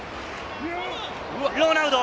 ロナウド！